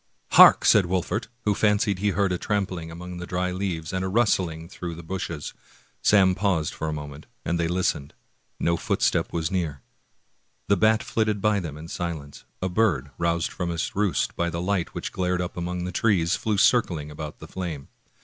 "Hark!" said Wolfert, who fancied he heard a tram pling among the dry leaves and a rustling through the bushes. Sam paused for a moment, and they listened. No footstep was near. The bat flitted by them in silence; a bird, roused from its roost by the light which glared up among the trees, flew circling about the flame.